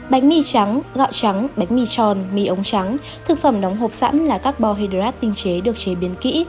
bánh mì trắng gạo trắng bánh mì tròn mì ống trắng thực phẩm đóng hộp sẵn là carbohydrates tinh chế được chế biến kỹ